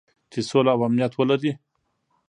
چې سوله او امنیت ولري.